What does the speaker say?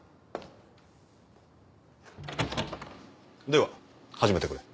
では始めてくれ。